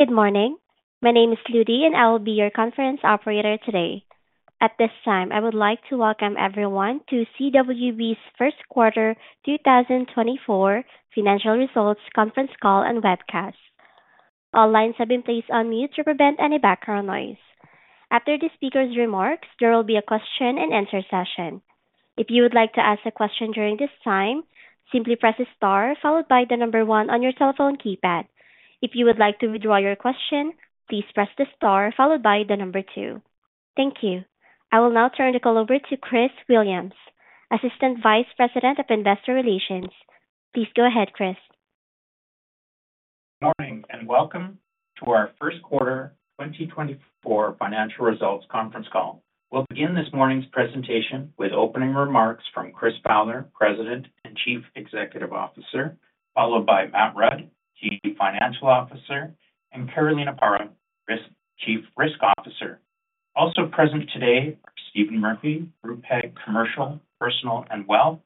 Good morning. My name is Ludi and I will be your conference operator today. At this time, I would like to welcome everyone to CWB's First Quarter 2024 Financial Results Conference Call and Webcast. All lines have been placed on mute to prevent any background noise. After the speaker's remarks, there will be a question-and-answer session. If you would like to ask a question during this time, simply press the star followed by the number 1 on your telephone keypad. If you would like towithdraw your question, please press the star followed by the number 2. Thank you. I will now turn the call over to Chris Williams, Assistant Vice President of Investor Relations. Please go ahead, Chris. Good morning and welcome to our First Quarter 2024 Financial Results Conference Call. We'll begin this morning's presentation with opening remarks from Chris Fowler, President and Chief Executive Officer, followed by Matt Rudd, Chief Financial Officer, and Carolina Parra, Chief Risk Officer. Also present today are Stephen Murphy, Group Head, Commercial, Personal, and Wealth,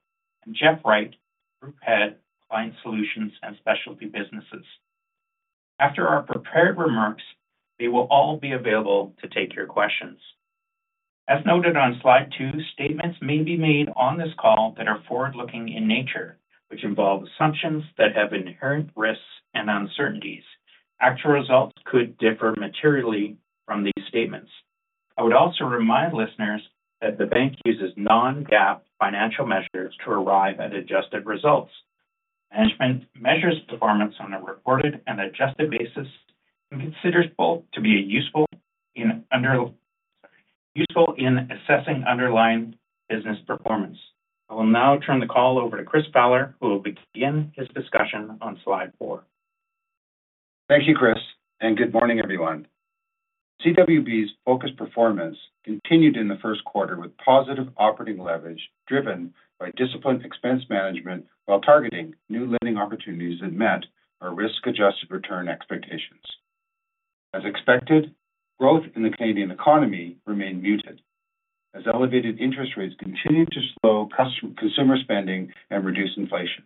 and Jeff Wright, Group Head, Client Solutions and Specialty Businesses. After our prepared remarks, they will all be available to take your questions. As noted on slide 2, statements may be made on this call that are forward-looking in nature, which involve assumptions that have inherent risks and uncertainties. Actual results could differ materially from these statements. I would also remind listeners that the bank uses non-GAAP financial measures to arrive at adjusted results. Management measures performance on a reported and adjusted basis and considers both to be useful in assessing underlying business performance. I will now turn the call over to Chris Fowler, who will begin his discussion on slide 4. Thank you, Chris, and good morning, everyone. CWB's focused performance continued in the first quarter with positive operating leverage driven by disciplined expense management while targeting new lending opportunities that met our risk-adjusted return expectations. As expected, growth in the Canadian economy remained muted as elevated interest rates continued to slow consumer spending and reduce inflation.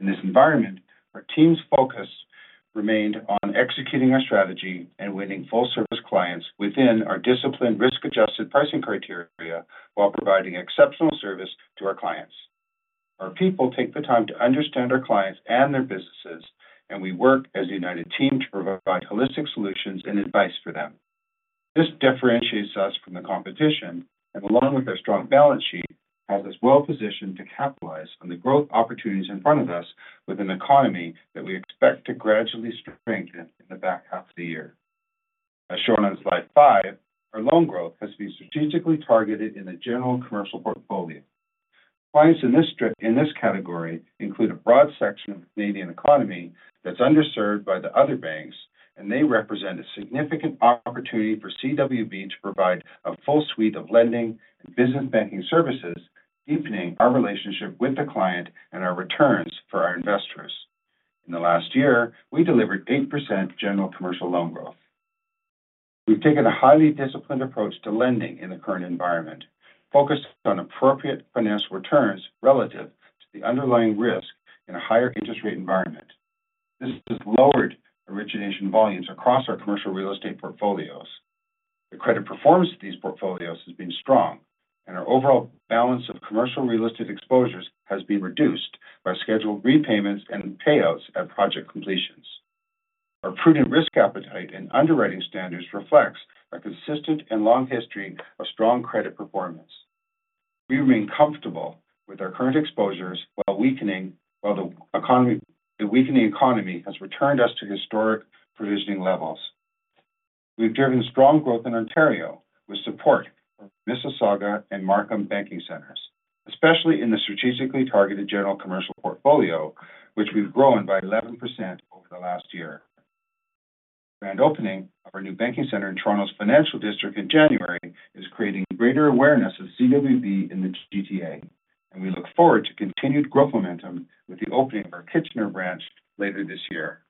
In this environment, our team's focus remained on executing our strategy and winning full-service clients within our disciplined risk-adjusted pricing criteria while providing exceptional service to our clients. Our people take the time to understand our clients and their businesses, and we work as a united team to provide holistic solutions and advice for them. This differentiates us from the competition and, along with our strong balance sheet, has us well-positioned to capitalize on the growth opportunities in front of us with an economy that we expect to gradually strengthen in the back half of the year. As shown on slide five, our loan growth has been strategically targeted in the general commercial portfolio. Clients in this category include a broad section of the Canadian economy that's underserved by the other banks, and they represent a significant opportunity for CWB to provide a full suite of lending and business banking services, deepening our relationship with the client and our returns for our investors. In the last year, we delivered 8% general commercial loan growth. We've taken a highly disciplined approach to lending in the current environment, focused on appropriate financial returns relative to the underlying risk in a higher interest rate environment. This has lowered origination volumes across our commercial real estate portfolios. The credit performance of these portfolios has been strong, and our overall balance of commercial real estate exposures has been reduced by scheduled repayments and payouts at project completions. Our prudent risk appetite and underwriting standards reflect our consistent and long history of strong credit performance. We remain comfortable with our current exposures while weakening while the economy has returned us to historic provisioning levels. We've driven strong growth in Ontario with support from Mississauga and Markham banking centers, especially in the strategically targeted general commercial portfolio, which we've grown by 11% over the last year. The grand opening of our new banking centers in Toronto's Financial District in January is creating greater awareness of CWB in the GTA, and we look forward to continued growth momentum with the opening of our Kitchener branch later this year.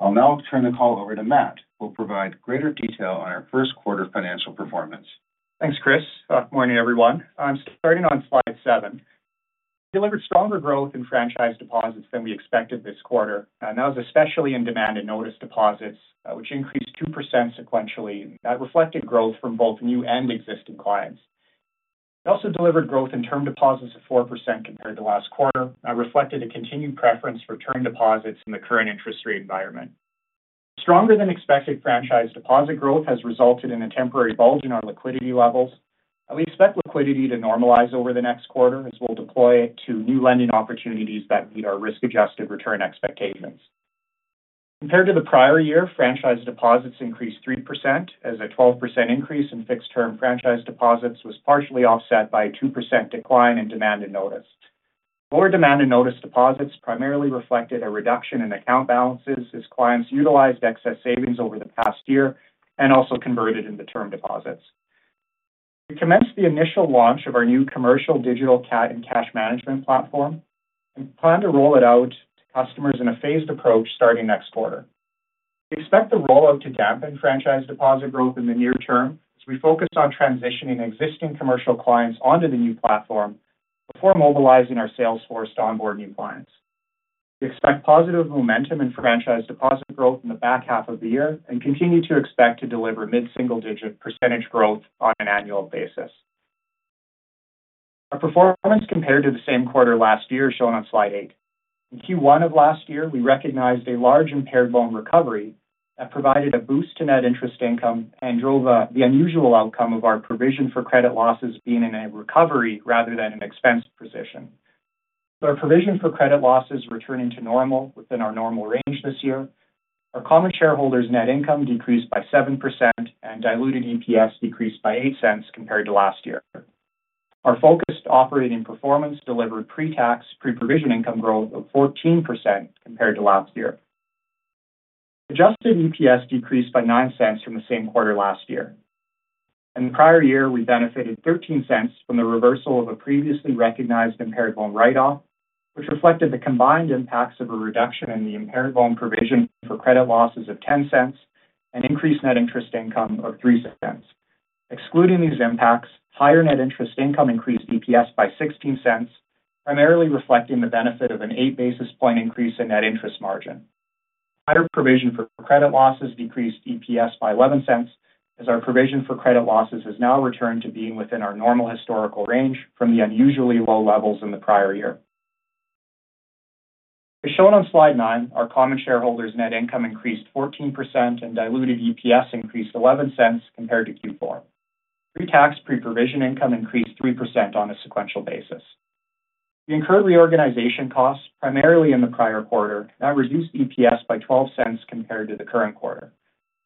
I'll now turn the call over to Matt, who will provide greater detail on our First Quarter financial performance. Thanks, Chris. Good morning, everyone. I'm starting on slide 7. We delivered stronger growth in franchise deposits than we expected this quarter, and that was especially in demand and notice deposits, which increased 2% sequentially. That reflected growth from both new and existing clients. We also delivered growth in term deposits of 4% compared to last quarter, reflecting a continued preference for term deposits in the current interest rate environment. Stronger than expected franchise deposit growth has resulted in a temporary bulge in our liquidity levels, and we expect liquidity to normalize over the next quarter as we'll deploy it to new lending opportunities that meet our risk-adjusted return expectations. Compared to the prior year, franchise deposits increased 3%, as a 12% increase in fixed-term franchise deposits was partially offset by a 2% decline in demand and notice. Lower demand and notice deposits primarily reflected a reduction in account balances as clients utilized excess savings over the past year and also converted into term deposits. We commenced the initial launch of our new commercial digital banking and cash management platform and plan to roll it out to customers in a phased approach starting next quarter. We expect the rollout to dampen franchise deposit growth in the near term as we focus on transitioning existing commercial clients onto the new platform before mobilizing our sales force to onboard new clients. We expect positive momentum in franchise deposit growth in the back half of the year and continue to expect to deliver mid-single-digit % growth on an annual basis. Our performance compared to the same quarter last year is shown on slide 8. In Q1 of last year, we recognized a large impaired loan recovery that provided a boost to net interest income and drove the unusual outcome of our provision for credit losses being in a recovery rather than an expense position. Our provision for credit losses returned into normal within our normal range this year. Our common shareholders' net income decreased by 7% and diluted EPS decreased by 0.08 compared to last year. Our focused operating performance delivered pre-tax, pre-provision income growth of 14% compared to last year. Adjusted EPS decreased by 0.09 from the same quarter last year. In the prior year, we benefited 0.13 from the reversal of a previously recognized impaired loan write-off, which reflected the combined impacts of a reduction in the impaired loan provision for credit losses of 0.10 and increased net interest income of 0.03. Excluding these impacts, higher net interest income increased EPS by 0.16, primarily reflecting the benefit of an 8 basis point increase in net interest margin. Higher provision for credit losses decreased EPS by 0.11 as our provision for credit losses has now returned to being within our normal historical range from the unusually low levels in the prior year. As shown on slide 9, our common shareholders' net income increased 14% and diluted EPS increased 0.11 compared to Q4. Pre-tax, pre-provision income increased 3% on a sequential basis. We incurred reorganization costs primarily in the prior quarter that reduced EPS by 0.12 compared to the current quarter.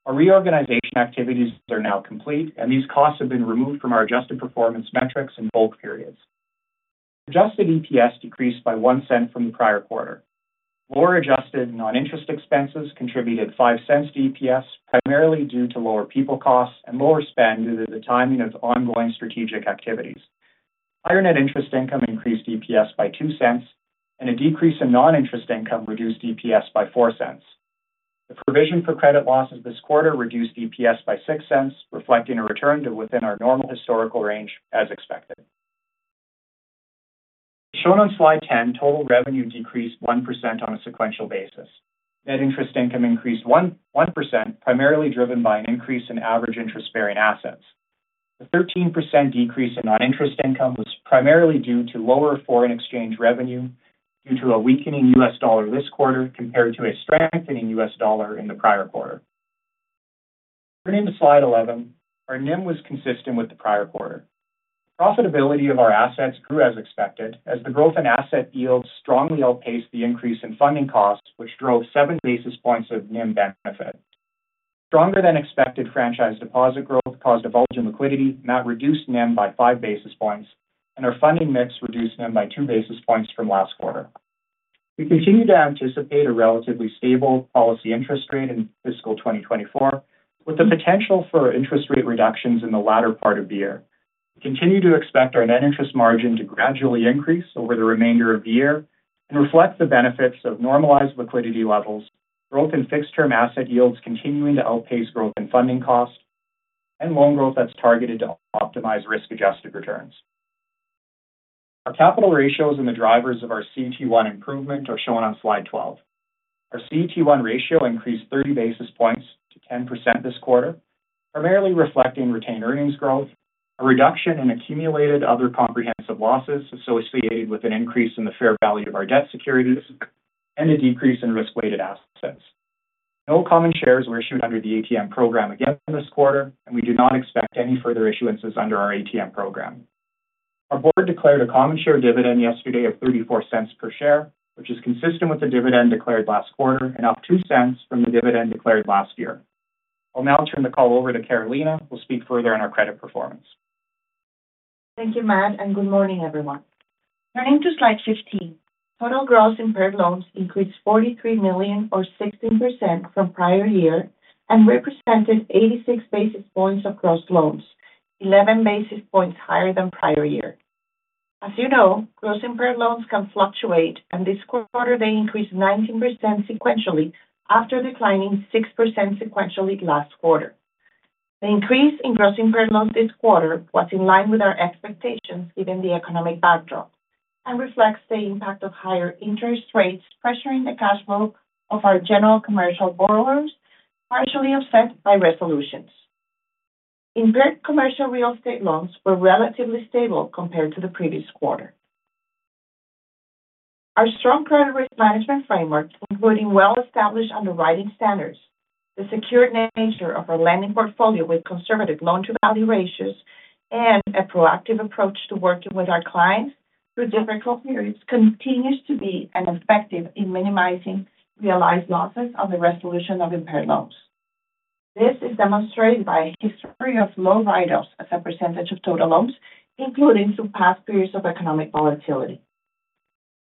Our reorganization activities are now complete, and these costs have been removed from our adjusted performance metrics in bulk periods. Adjusted EPS decreased by 0.01 from the prior quarter. Lower adjusted non-interest expenses contributed 0.05 to EPS, primarily due to lower people costs and lower spend due to the timing of ongoing strategic activities. Higher net interest income increased EPS by 0.02, and a decrease in non-interest income reduced EPS by 0.04. The provision for credit losses this quarter reduced EPS by 0.06, reflecting a return to within our normal historical range as expected. As shown on slide 10, total revenue decreased 1% on a sequential basis. Net interest income increased 1%, primarily driven by an increase in average interest-bearing assets. The 13% decrease in non-interest income was primarily due to lower foreign exchange revenue due to a weakening US dollar this quarter compared to a strengthening US dollar in the prior quarter. Turning to slide 11, our NIM was consistent with the prior quarter. Profitability of our assets grew as expected as the growth in asset yields strongly outpaced the increase in funding costs, which drove 7 basis points of NIM benefit. Stronger than expected franchise deposit growth caused a bulge in liquidity that reduced NIM by 5 basis points, and our funding mix reduced NIM by 2 basis points from last quarter. We continue to anticipate a relatively stable policy interest rate in fiscal 2024, with the potential for interest rate reductions in the latter part of the year. We continue to expect our net interest margin to gradually increase over the remainder of the year and reflect the benefits of normalized liquidity levels, growth in fixed-term asset yields continuing to outpace growth in funding costs, and loan growth that's targeted to optimize risk-adjusted returns. Our capital ratios and the drivers of our CET1 improvement are shown on slide 12. Our CET1 ratio increased 30 basis points to 10% this quarter, primarily reflecting retained earnings growth, a reduction in accumulated other comprehensive losses associated with an increase in the fair value of our debt securities, and a decrease in risk-weighted assets. No common shares were issued under the ATM program again this quarter, and we do not expect any further issuances under our ATM program. Our board declared a common share dividend yesterday of 0.34 per share, which is consistent with the dividend declared last quarter and up 0.02 from the dividend declared last year. I'll now turn the call over to Carolina. We'll speak further on our credit performance. Thank you, Matt, and good morning, everyone. Turning to slide 15, total gross impaired loans increased 43 million or 16% from prior year and represented 86 basis points of gross loans, 11 basis points higher than prior year. As you know, gross impaired loans can fluctuate, and this quarter they increased 19% sequentially after declining 6% sequentially last quarter. The increase in gross impaired loans this quarter was in line with our expectations given the economic backdrop and reflects the impact of higher interest rates pressuring the cash flow of our general commercial borrowers, partially offset by resolutions. Impaired commercial real estate loans were relatively stable compared to the previous quarter. Our strong credit risk management framework, including well-established underwriting standards, the secured nature of our lending portfolio with conservative loan-to-value ratios, and a proactive approach to working with our clients through difficult periods continues to be effective in minimizing realized losses on the resolution of impaired loans. This is demonstrated by a history of low write-offs as a percentage of total loans, including through past periods of economic volatility.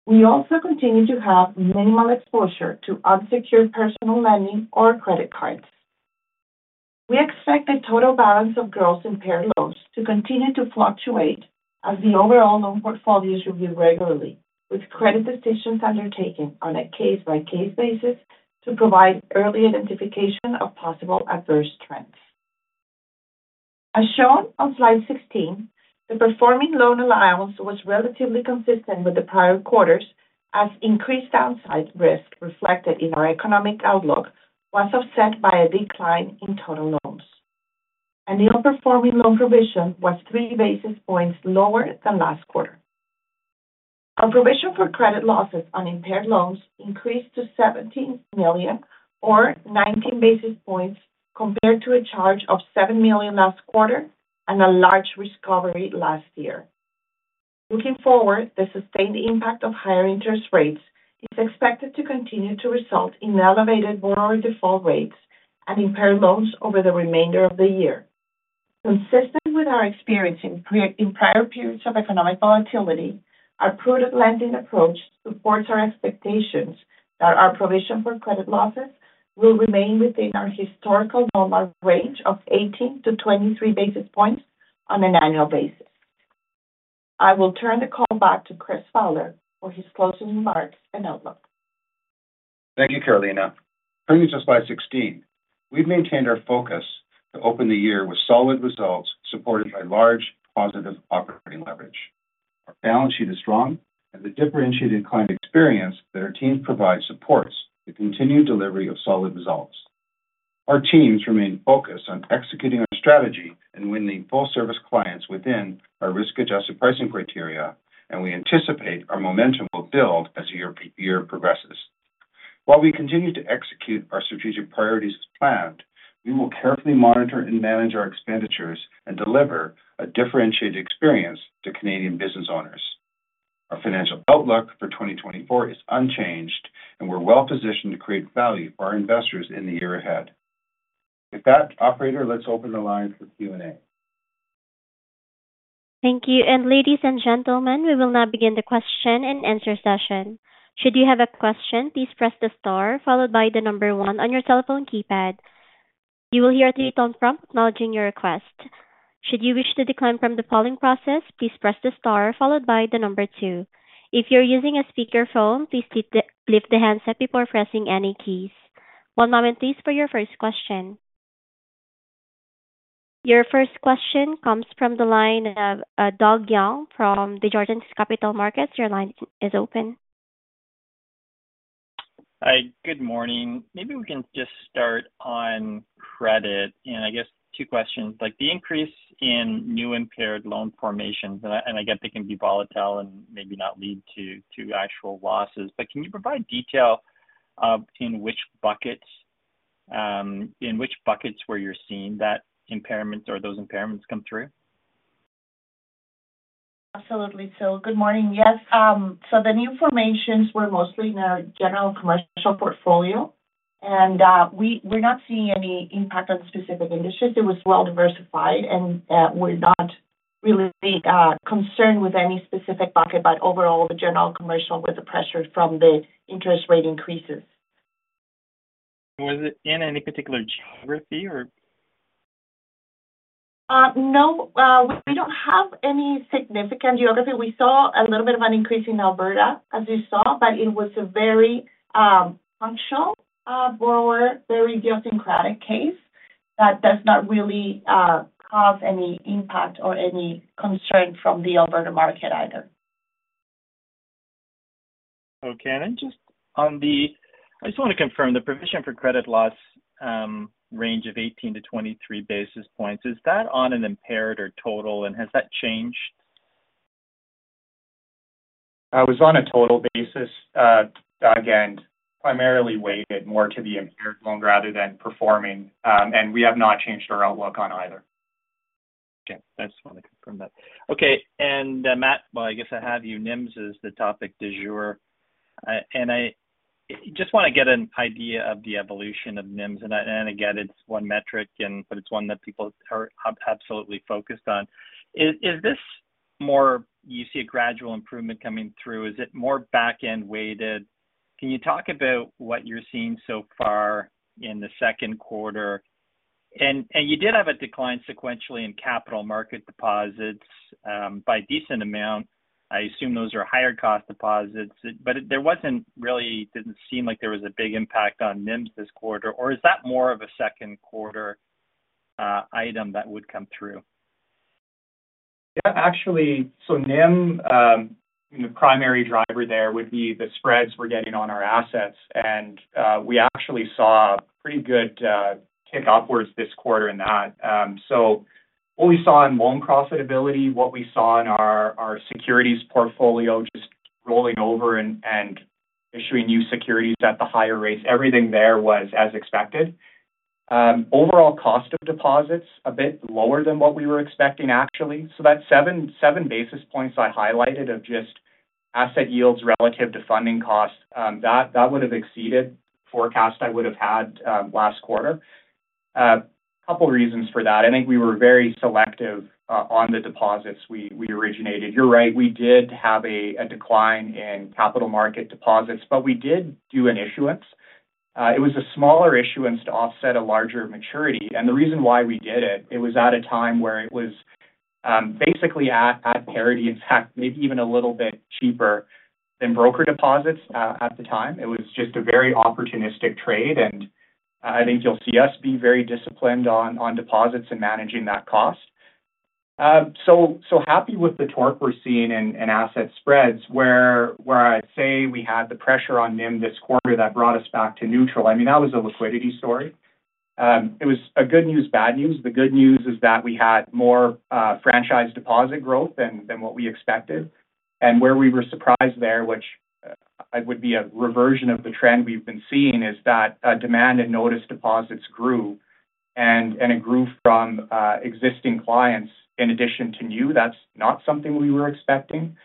We also continue to have minimal exposure to unsecured personal lending or credit cards. We expect the total balance of gross impaired loans to continue to fluctuate as the overall loan portfolios reviewed regularly, with credit decisions undertaken on a case-by-case basis to provide early identification of possible adverse trends. As shown on slide 16, the performing loan allowance was relatively consistent with the prior quarters as increased downside risk reflected in our economic outlook was offset by a decline in total loans. Our performing loan provision was 3 basis points lower than last quarter. Our provision for credit losses on impaired loans increased to 17 million or 19 basis points compared to a charge of 7 million last quarter and a large recovery last year. Looking forward, the sustained impact of higher interest rates is expected to continue to result in elevated borrower default rates and impaired loans over the remainder of the year. Consistent with our experience in prior periods of economic volatility, our prudent lending approach supports our expectations that our provision for credit losses will remain within our historical normal range of 18-23 basis points on an annual basis. I will turn the call back to Chris Fowler for his closing remarks and outlook. Thank you, Carolina. Turning to slide 16, we've maintained our focus to open the year with solid results supported by large positive operating leverage. Our balance sheet is strong, and the differentiated client experience that our teams provide supports the continued delivery of solid results. Our teams remain focused on executing our strategy and winning full-service clients within our risk-adjusted pricing criteria, and we anticipate our momentum will build as the year progresses. While we continue to execute our strategic priorities as planned, we will carefully monitor and manage our expenditures and deliver a differentiated experience to Canadian business owners. Our financial outlook for 2024 is unchanged, and we're well-positioned to create value for our investors in the year ahead. With that, operator, let's open the line for Q&A. Thank you. Ladies and gentlemen, we will now begin the question and answer session. Should you have a question, please press the star followed by the number 1 on your cell phone keypad. You will hear a 3-tone prompt acknowledging your request. Should you wish to decline from the following process, please press the star followed by the number 2. If you're using a speakerphone, please lift the handset before pressing any keys. One moment, please, for your first question. Your first question comes from the line of Doug Young from Desjardins Capital Markets. Your line is open. Hi. Good morning. Maybe we can just start on credit, and I guess two questions. The increase in new impaired loan formations, and I get they can be volatile and maybe not lead to actual losses, but can you provide detail in which buckets where you're seeing that impairment or those impairments come through? Absolutely. Good morning. Yes. The new formations were mostly in our general commercial portfolio, and we're not seeing any impact on specific industries. It was well-diversified, and we're not really concerned with any specific bucket, but overall, the general commercial with the pressure from the interest rate increases. Was it in any particular geography, or? No. We don't have any significant geography. We saw a little bit of an increase in Alberta, as you saw, but it was a very particular borrower, very idiosyncratic case that does not really cause any impact or any concern from the Alberta market either. Okay. And then just on, I just want to confirm the provision for credit loss range of 18-23 basis points. Is that on an impaired or total, and has that changed? It was on a total basis. Again, primarily weighted more to the impaired loan rather than performing, and we have not changed our outlook on either. Okay. I just want to confirm that. Okay. And Matt, well, I guess I have you. NIMS is the topic du jour. And I just want to get an idea of the evolution of NIMS. And again, it's one metric, but it's one that people are absolutely focused on. Is this more you see a gradual improvement coming through? Is it more back-end weighted? Can you talk about what you're seeing so far in the second quarter? And you did have a decline sequentially in capital market deposits by a decent amount. I assume those are higher-cost deposits, but there didn't really seem like there was a big impact on NIMS this quarter. Or is that more of a second-quarter item that would come through? Yeah. Actually, so NIM, the primary driver there would be the spreads we're getting on our assets. And we actually saw a pretty good kick upwards this quarter in that. So what we saw in loan profitability, what we saw in our securities portfolio just rolling over and issuing new securities at the higher rates, everything there was as expected. Overall cost of deposits, a bit lower than what we were expecting, actually. So that seven basis points I highlighted of just asset yields relative to funding costs, that would have exceeded the forecast I would have had last quarter. A couple of reasons for that. I think we were very selective on the deposits we originated. You're right. We did have a decline in capital market deposits, but we did do an issuance. It was a smaller issuance to offset a larger maturity. The reason why we did it, it was at a time where it was basically at parity, in fact, maybe even a little bit cheaper than broker deposits at the time. It was just a very opportunistic trade, and I think you'll see us be very disciplined on deposits and managing that cost. So happy with the torque we're seeing in asset spreads where I'd say we had the pressure on NIM this quarter that brought us back to neutral. I mean, that was a liquidity story. It was a good news, bad news. The good news is that we had more franchise deposit growth than what we expected. And where we were surprised there, which would be a reversion of the trend we've been seeing, is that demand and notice deposits grew, and it grew from existing clients in addition to new. That's not something we were expecting.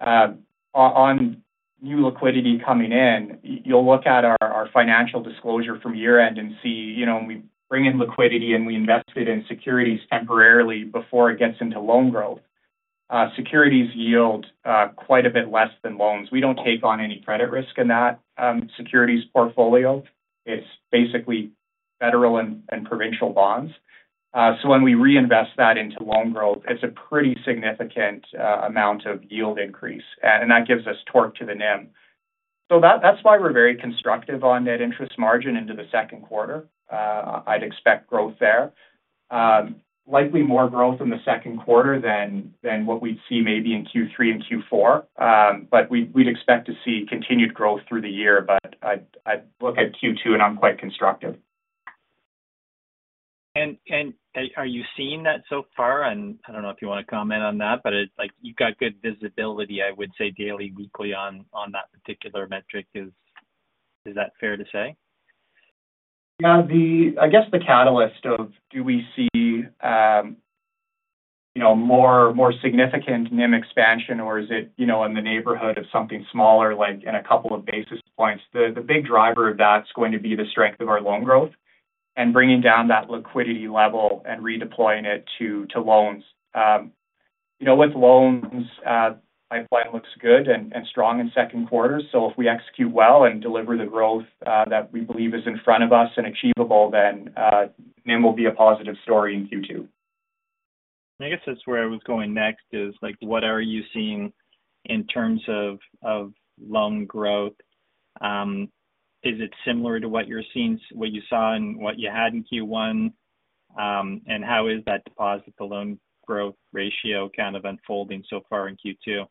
On new liquidity coming in, you'll look at our financial disclosure from year-end and see when we bring in liquidity and we invest it in securities temporarily before it gets into loan growth. Securities yield quite a bit less than loans. We don't take on any credit risk in that securities portfolio. It's basically federal and provincial bonds. So when we reinvest that into loan growth, it's a pretty significant amount of yield increase, and that gives us torque to the NIM. So that's why we're very constructive on net interest margin into the second quarter. I'd expect growth there, likely more growth in the second quarter than what we'd see maybe in Q3 and Q4. But we'd expect to see continued growth through the year. But I'd look at Q2, and I'm quite constructive. Are you seeing that so far? I don't know if you want to comment on that, but you've got good visibility, I would say, daily, weekly on that particular metric. Is that fair to say? Yeah. I guess the catalyst of do we see more significant NIM expansion, or is it in the neighborhood of something smaller in a couple of basis points? The big driver of that's going to be the strength of our loan growth and bringing down that liquidity level and redeploying it to loans. With loans, my plan looks good and strong in second quarter. So if we execute well and deliver the growth that we believe is in front of us and achievable, then NIM will be a positive story in Q2. I guess that's where I was going next, is what are you seeing in terms of loan growth? Is it similar to what you saw in what you had in Q1? And how is that deposit-to-loan growth ratio kind of unfolding so far in Q2?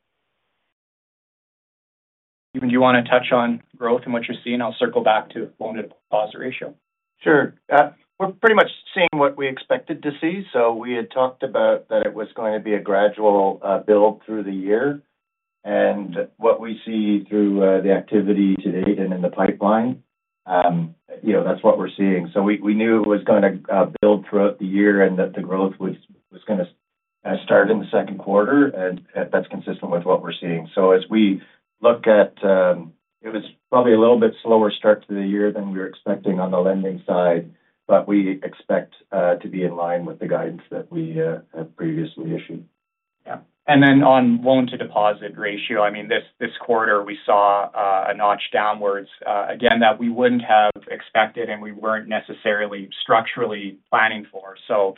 Do you want to touch on growth and what you're seeing? I'll circle back to loan-to-deposit ratio. Sure. We're pretty much seeing what we expected to see. So we had talked about that it was going to be a gradual build through the year. And what we see through the activity to date and in the pipeline, that's what we're seeing. So we knew it was going to build throughout the year and that the growth was going to start in the second quarter. And that's consistent with what we're seeing. So as we look at it was probably a little bit slower start to the year than we were expecting on the lending side, but we expect to be in line with the guidance that we have previously issued. Yeah. And then on loan-to-deposit ratio, I mean, this quarter, we saw a notch downwards, again, that we wouldn't have expected and we weren't necessarily structurally planning for. So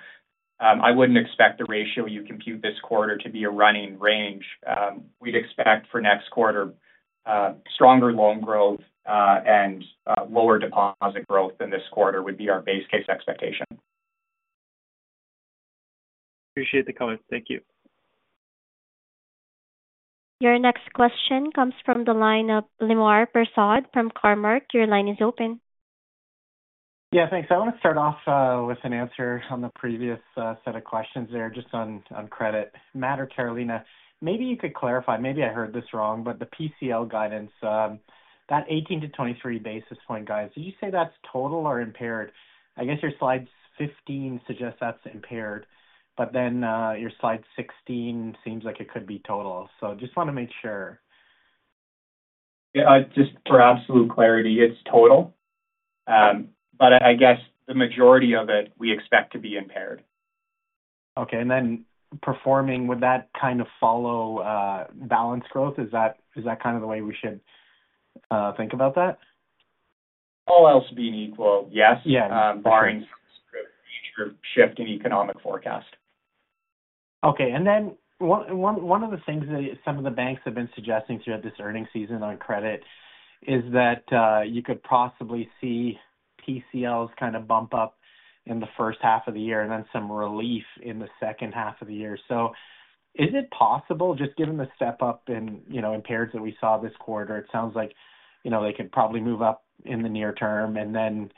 I wouldn't expect the ratio you compute this quarter to be a running range. We'd expect for next quarter, stronger loan growth and lower deposit growth than this quarter would be our base case expectation. Appreciate the comments. Thank you. Your next question comes from the line of Lemar Persaud from Cormark. Your line is open. Yeah. Thanks. I want to start off with an answer on the previous set of questions there just on credit. Matt or Carolina, maybe you could clarify. Maybe I heard this wrong, but the PCL guidance, that 18-23 basis point guidance, did you say that's total or impaired? I guess your slide 15 suggests that's impaired, but then your slide 16 seems like it could be total. So just want to make sure. Yeah. Just for absolute clarity, it's total. But I guess the majority of it, we expect to be impaired. Okay. And then performing, would that kind of follow balanced growth? Is that kind of the way we should think about that? All else being equal, yes, barring some future shift in economic forecast. Okay. And then one of the things that some of the banks have been suggesting throughout this earnings season on credit is that you could possibly see PCLs kind of bump up in the first half of the year and then some relief in the second half of the year. So is it possible, just given the step-up in impaireds that we saw this quarter, it sounds like they could probably move up in the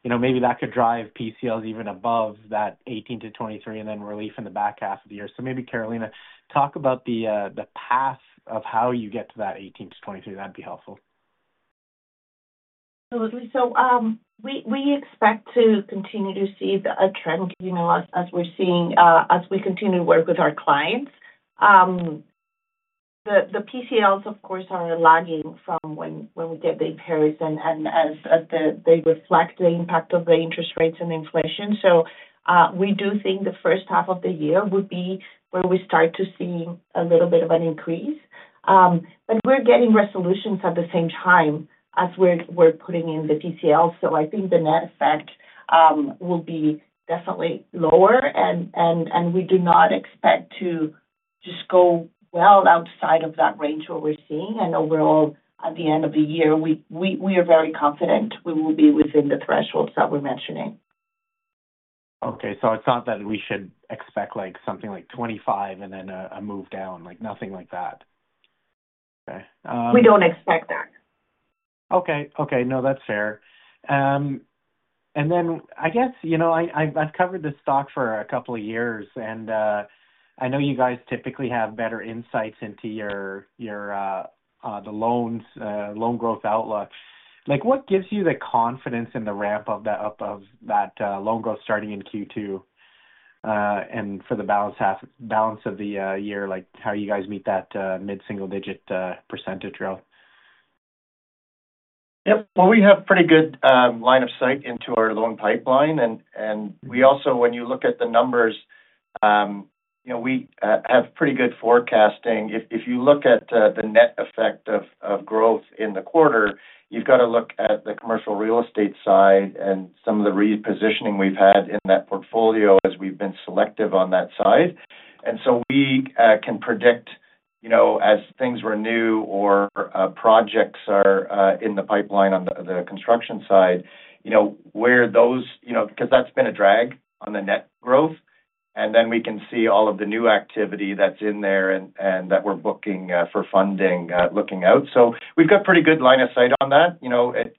near term, and then maybe that could drive PCLs even above that 18-23 and then relief in the back half of the year. So maybe, Carolina, talk about the path of how you get to that 18-23. That'd be helpful. Absolutely. So we expect to continue to see a trend as we're seeing as we continue to work with our clients. The PCLs, of course, are lagging from when we get the impaireds and as they reflect the impact of the interest rates and inflation. So we do think the first half of the year would be where we start to see a little bit of an increase. But we're getting resolutions at the same time as we're putting in the PCLs. So I think the net effect will be definitely lower, and we do not expect to just go well outside of that range where we're seeing. And overall, at the end of the year, we are very confident we will be within the thresholds that we're mentioning. Okay. So it's not that we should expect something like 25 and then a move down, nothing like that? Okay. We don't expect that. Okay. Okay. No, that's fair. And then I guess I've covered this stock for a couple of years, and I know you guys typically have better insights into the loan growth outlook. What gives you the confidence in the ramp up of that loan growth starting in Q2 and for the balance of the year, how you guys meet that mid-single-digit % growth? Yep. Well, we have pretty good line of sight into our loan pipeline. And also, when you look at the numbers, we have pretty good forecasting. If you look at the net effect of growth in the quarter, you've got to look at the commercial real estate side and some of the repositioning we've had in that portfolio as we've been selective on that side. And so we can predict, as things renew or projects are in the pipeline on the construction side, where those because that's been a drag on the net growth. And then we can see all of the new activity that's in there and that we're booking for funding looking out. So we've got pretty good line of sight on that.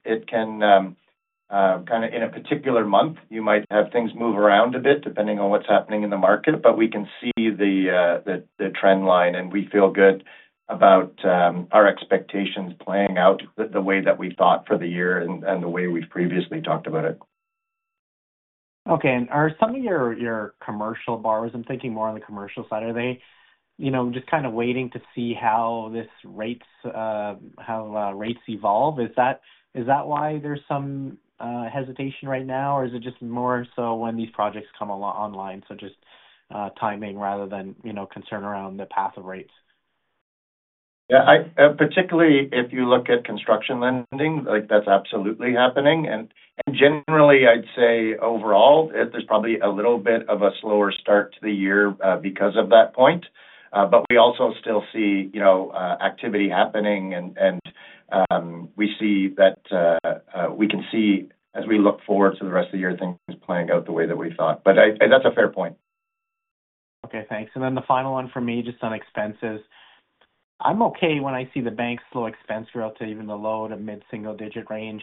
It can kind of in a particular month, you might have things move around a bit depending on what's happening in the market, but we can see the trend line, and we feel good about our expectations playing out the way that we thought for the year and the way we've previously talked about it. Okay. And are some of your commercial borrowers, I'm thinking more on the commercial side, are they just kind of waiting to see how rates evolve? Is that why there's some hesitation right now, or is it just more so when these projects come online? So just timing rather than concern around the path of rates. Yeah. Particularly if you look at construction lending, that's absolutely happening. And generally, I'd say overall, there's probably a little bit of a slower start to the year because of that point. But we also still see activity happening, and we see that, as we look forward to the rest of the year, things playing out the way that we thought. But that's a fair point. Okay. Thanks. And then the final one for me, just on expenses. I'm okay when I see the bank's slow expense growth to even the low to mid-single-digit range.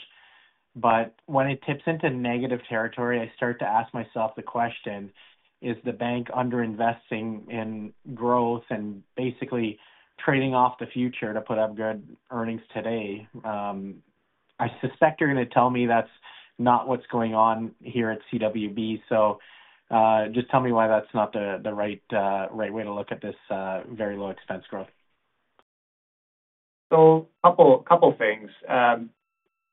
But when it tips into negative territory, I start to ask myself the question, "Is the bank underinvesting in growth and basically trading off the future to put up good earnings today?" I suspect you're going to tell me that's not what's going on here at CWB. So just tell me why that's not the right way to look at this very low expense growth. So a couple of things.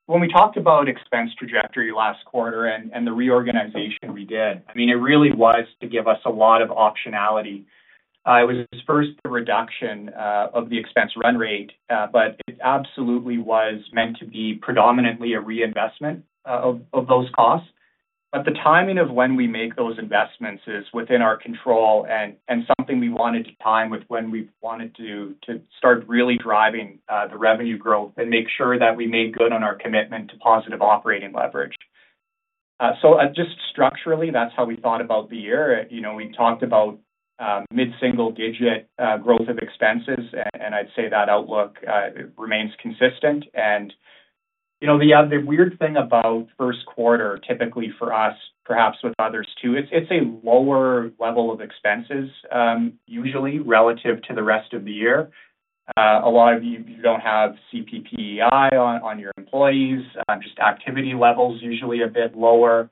When we talked about expense trajectory last quarter and the reorganization we did, I mean, it really was to give us a lot of optionality. It was first the reduction of the expense run rate, but it absolutely was meant to be predominantly a reinvestment of those costs. But the timing of when we make those investments is within our control and something we wanted to time with when we wanted to start really driving the revenue growth and make sure that we made good on our commitment to positive operating leverage. So just structurally, that's how we thought about the year. We talked about mid-single-digit growth of expenses, and I'd say that outlook remains consistent. And the weird thing about first quarter, typically for us, perhaps with others too, it's a lower level of expenses usually relative to the rest of the year. A lot of you don't have CPP/EI on your employees, just activity levels usually a bit lower.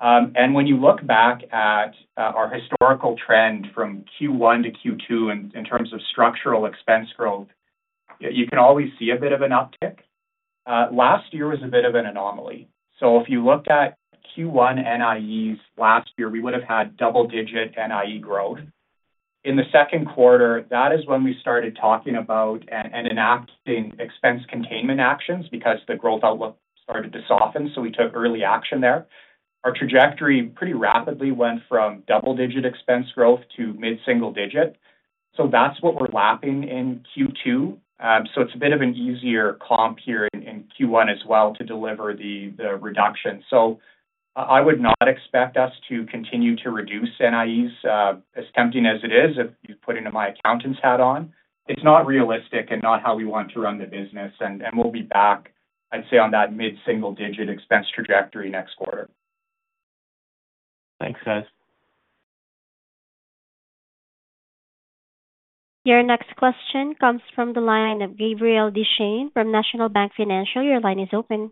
When you look back at our historical trend from Q1 to Q2 in terms of structural expense growth, you can always see a bit of an uptick. Last year was a bit of an anomaly. If you looked at Q1 NIEs last year, we would have had double-digit NIE growth. In the second quarter, that is when we started talking about and enacting expense containment actions because the growth outlook started to soften. We took early action there. Our trajectory pretty rapidly went from double-digit expense growth to mid-single-digit. That's what we're lapping in Q2. It's a bit of an easier comp here in Q1 as well to deliver the reduction. So I would not expect us to continue to reduce NIEs as tempting as it is if you've put my accountant's hat on. It's not realistic and not how we want to run the business. And we'll be back, I'd say, on that mid-single-digit expense trajectory next quarter. Thanks, guys. Your next question comes from the line of Gabriel Dechaine from National Bank Financial. Your line is open.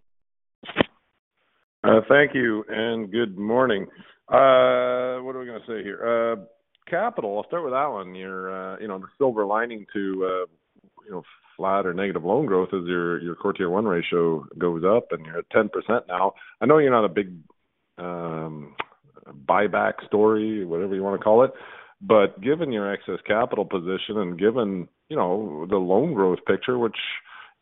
Thank you. And good morning. What are we going to say here? Capital, I'll start with that one. The silver lining to flat or negative loan growth is your CET1 ratio goes up, and you're at 10% now. I know you're not a big buyback story, whatever you want to call it. But given your excess capital position and given the loan growth picture, which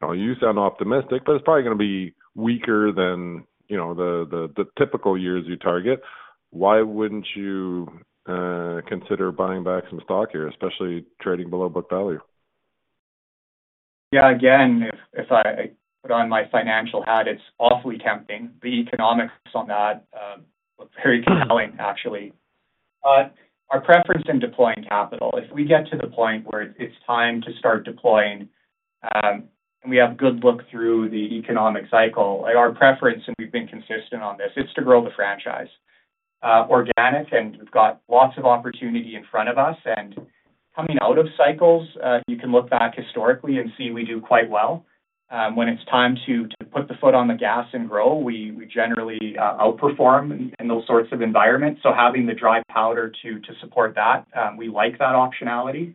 you sound optimistic, but it's probably going to be weaker than the typical years you target, why wouldn't you consider buying back some stock here, especially trading below book value? Yeah. Again, if I put on my financial hat, it's awfully tempting. The economics on that look very compelling, actually. Our preference in deploying capital, if we get to the point where it's time to start deploying and we have a good look through the economic cycle, our preference, and we've been consistent on this, it's to grow the franchise organic, and we've got lots of opportunity in front of us. And coming out of cycles, you can look back historically and see we do quite well. When it's time to put the foot on the gas and grow, we generally outperform in those sorts of environments. So having the dry powder to support that, we like that optionality.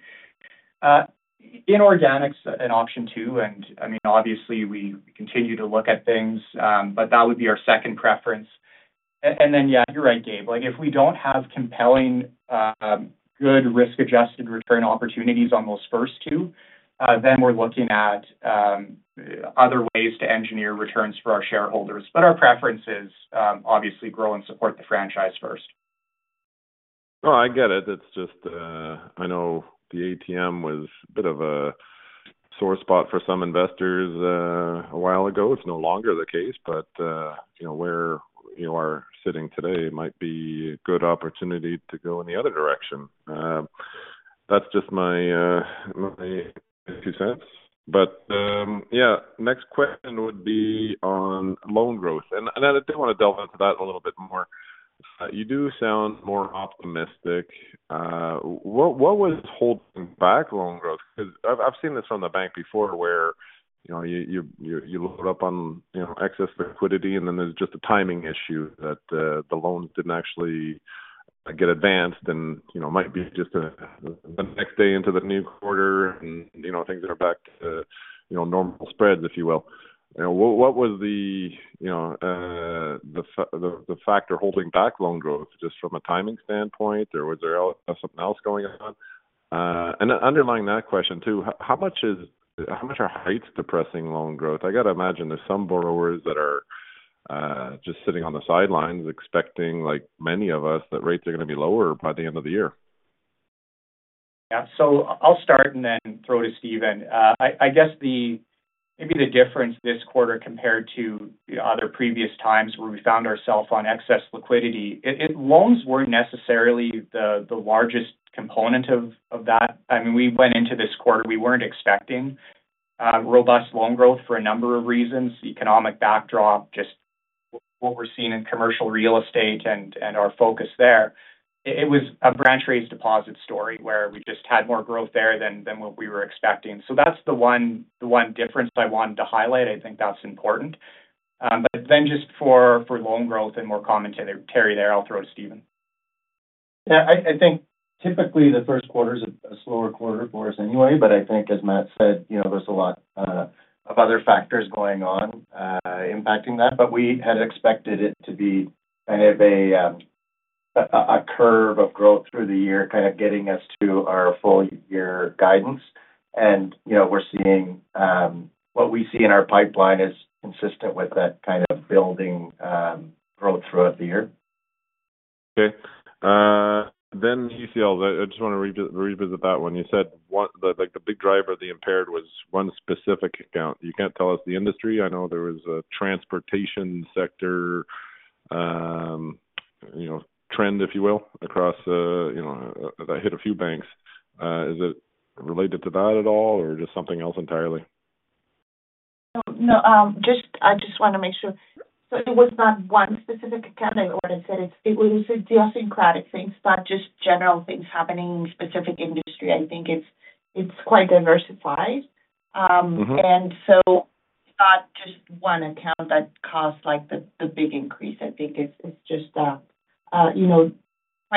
Inorganics an option too. And I mean, obviously, we continue to look at things, but that would be our second preference. And then, yeah, you're right, Gabe. If we don't have compelling, good risk-adjusted return opportunities on those first two, then we're looking at other ways to engineer returns for our shareholders. But our preference is obviously grow and support the franchise first. No, I get it. I know the ATM was a bit of a sore spot for some investors a while ago. It's no longer the case. But where we are sitting today might be a good opportunity to go in the other direction. That's just my two cents. But yeah, next question would be on loan growth. And I do want to delve into that a little bit more. You do sound more optimistic. What was holding back loan growth? Because I've seen this from the bank before where you load up on excess liquidity, and then there's just a timing issue that the loans didn't actually get advanced and might be just the next day into the new quarter, and things are back to normal spreads, if you will. What was the factor holding back loan growth just from a timing standpoint, or was there something else going on? Underlying that question too, how much are rates depressing loan growth? I got to imagine there's some borrowers that are just sitting on the sidelines expecting, like many of us, that rates are going to be lower by the end of the year. Yeah. So I'll start and then throw to Stephen. I guess maybe the difference this quarter compared to other previous times where we found ourselves on excess liquidity, loans weren't necessarily the largest component of that. I mean, we went into this quarter, we weren't expecting robust loan growth for a number of reasons, economic backdrop, just what we're seeing in commercial real estate and our focus there. It was a branch-raised deposit story where we just had more growth there than what we were expecting. So that's the one difference I wanted to highlight. I think that's important. But then just for loan growth and more commentary there, I'll throw to Stephen. Yeah. I think typically, the first quarter is a slower quarter for us anyway. But I think, as Matt said, there's a lot of other factors going on impacting that. But we had expected it to be kind of a curve of growth through the year, kind of getting us to our full-year guidance. And we're seeing what we see in our pipeline is consistent with that kind of building growth throughout the year. Okay. Then PCL, I just want to revisit that one. You said the big driver of the impaired was one specific account. You can't tell us the industry. I know there was a transportation sector trend, if you will, across that hit a few banks. Is it related to that at all, or just something else entirely? No, I just want to make sure. So it was not one specific account, like what I said. It was idiosyncratic things, not just general things happening in specific industry. I think it's quite diversified. And so it's not just one account that caused the big increase. I think it's just quite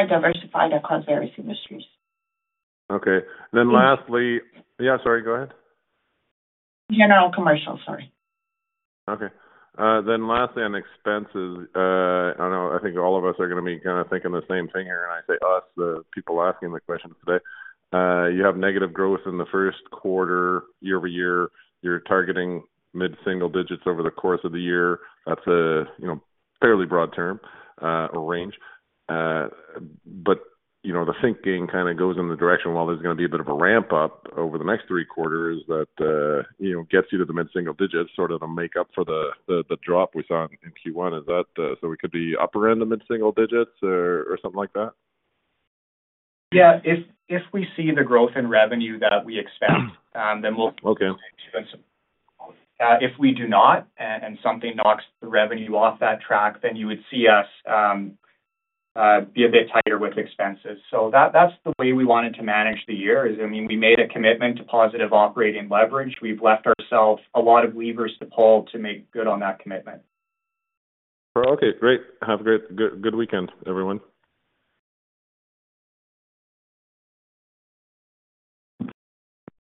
diversified. It caused various industries. Okay. Then lastly yeah, sorry. Go ahead. General commercial. Sorry. Okay. Then lastly, on expenses, I don't know. I think all of us are going to be kind of thinking the same thing here. And I say us, the people asking the questions today. You have negative growth in the first quarter, year-over-year. You're targeting mid-single digits over the course of the year. That's a fairly broad term or range. But the thinking kind of goes in the direction, while there's going to be a bit of a ramp-up over the next three quarters, that gets you to the mid-single digits, sort of to make up for the drop we saw in Q1. So we could be upper end the mid-single digits or something like that? Yeah. If we see the growth in revenue that we expect, then we'll do it. If we do not and something knocks the revenue off that track, then you would see us be a bit tighter with expenses. So that's the way we wanted to manage the year. I mean, we made a commitment to positive operating leverage. We've left ourselves a lot of levers to pull to make good on that commitment. Well, okay. Great. Have a good weekend, everyone.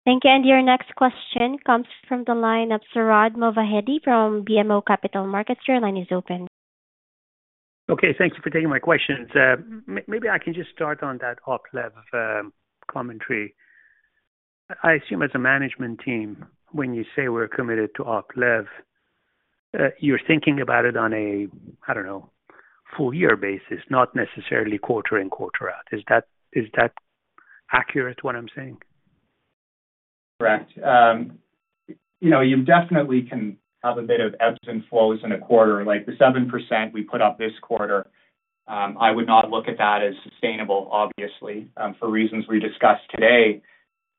Thank you. Your next question comes from the line of Sohrab Movahedi from BMO Capital Markets. Your line is open. Okay. Thank you for taking my questions. Maybe I can just start on that op-lev commentary. I assume as a management team, when you say we're committed to op-lev, you're thinking about it on a, I don't know, full-year basis, not necessarily quarter in, quarter out. Is that accurate, what I'm saying? Correct. You definitely can have a bit of ebbs and flows in a quarter. The 7% we put up this quarter, I would not look at that as sustainable, obviously, for reasons we discussed today.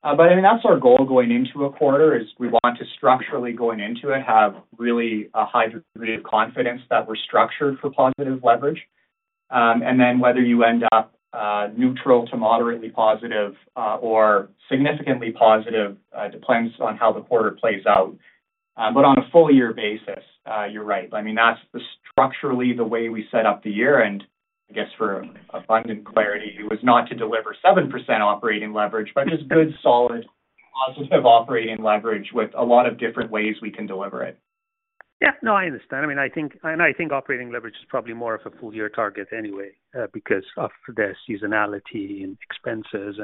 But I mean, that's our goal going into a quarter, is we want to structurally going into it have really a high degree of confidence that we're structured for positive leverage. And then whether you end up neutral to moderately positive or significantly positive, it depends on how the quarter plays out. But on a full-year basis, you're right. I mean, that's structurally the way we set up the year. And I guess for abundant clarity, it was not to deliver 7% operating leverage, but just good, solid, positive operating leverage with a lot of different ways we can deliver it. Yeah. No, I understand. I mean, I think operating leverage is probably more of a full-year target anyway because of the seasonality and expenses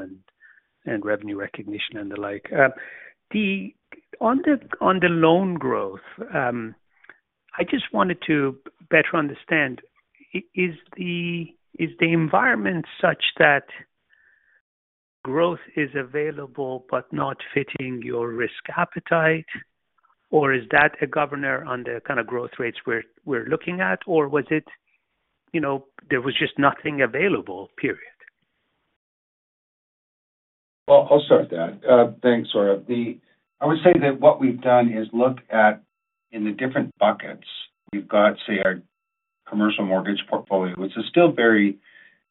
and revenue recognition and the like. On the loan growth, I just wanted to better understand, is the environment such that growth is available but not fitting your risk appetite, or is that a governor on the kind of growth rates we're looking at, or was it there was just nothing available, period? Well, I'll start that. Thanks, Sohrab. I would say that what we've done is look at, in the different buckets, we've got, say, our commercial mortgage portfolio, which is still very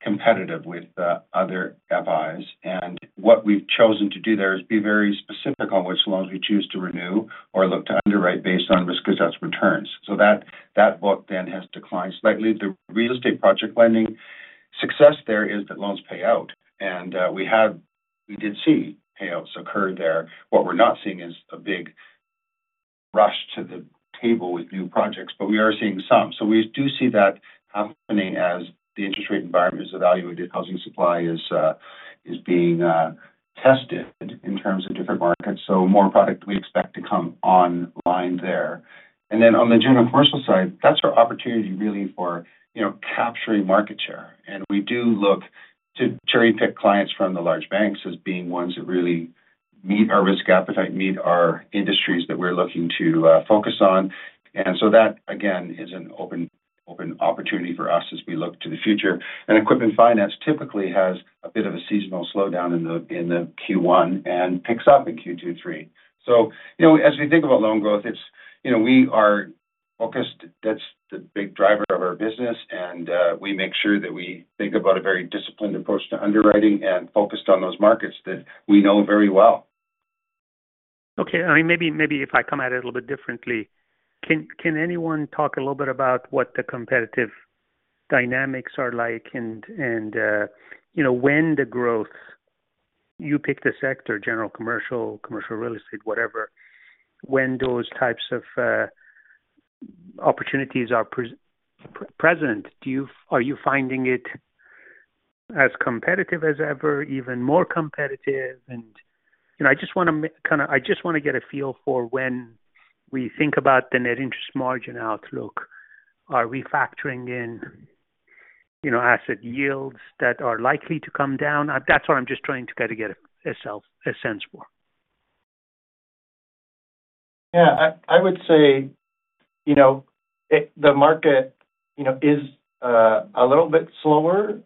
competitive with other FIs. And what we've chosen to do there is be very specific on which loans we choose to renew or look to underwrite based on risk-adjusted returns. So that book then has declined slightly. The real estate project lending success there is that loans pay out. And we did see payouts occur there. What we're not seeing is a big rush to the table with new projects, but we are seeing some. So we do see that happening as the interest rate environment is evaluated, housing supply is being tested in terms of different markets. So more product we expect to come online there. And then on the general commercial side, that's our opportunity, really, for capturing market share. And we do look to cherry-pick clients from the large banks as being ones that really meet our risk appetite, meet our industries that we're looking to focus on. And so that, again, is an open opportunity for us as we look to the future. And equipment finance typically has a bit of a seasonal slowdown in the Q1 and picks up in Q2, Q3. So as we think about loan growth, we are focused. That's the big driver of our business. And we make sure that we think about a very disciplined approach to underwriting and focused on those markets that we know very well. Okay. I mean, maybe if I come at it a little bit differently, can anyone talk a little bit about what the competitive dynamics are like and when the growth you pick the sector, general commercial, commercial real estate, whatever, when those types of opportunities are present, are you finding it as competitive as ever, even more competitive? And I just want to get a feel for when we think about the net interest margin outlook, are we factoring in asset yields that are likely to come down? That's what I'm just trying to kind of get a sense for. Yeah. I would say the market is a little bit slower.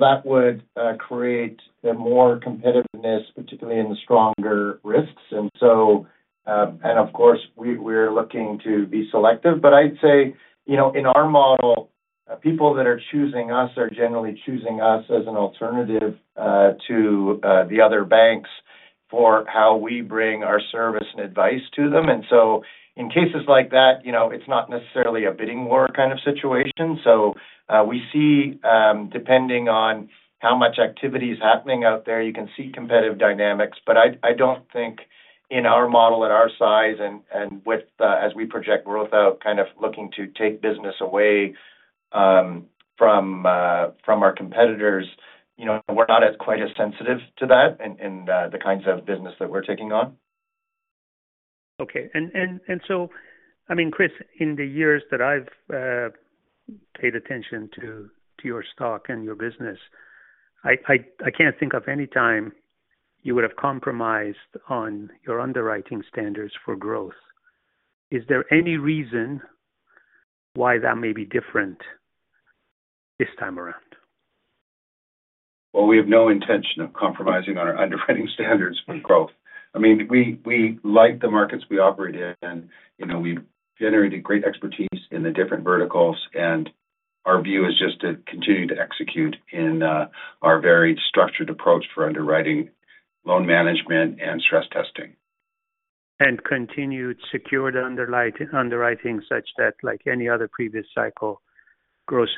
That would create more competitiveness, particularly in the stronger risks. Of course, we're looking to be selective. I'd say in our model, people that are choosing us are generally choosing us as an alternative to the other banks for how we bring our service and advice to them. In cases like that, it's not necessarily a bidding war kind of situation. We see, depending on how much activity is happening out there, you can see competitive dynamics. I don't think in our model at our size and as we project growth out, kind of looking to take business away from our competitors, we're not quite as sensitive to that and the kinds of business that we're taking on. Okay. And so, I mean, Chris, in the years that I've paid attention to your stock and your business, I can't think of any time you would have compromised on your underwriting standards for growth. Is there any reason why that may be different this time around? Well, we have no intention of compromising on our underwriting standards for growth. I mean, we like the markets we operate in. We've generated great expertise in the different verticals. And our view is just to continue to execute in our varied, structured approach for underwriting, loan management, and stress testing. Continue to secure the underwriting such that, like any other previous cycle, gross